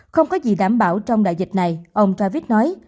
không có gì đảm bảo trong đại dịch này ông traviet nói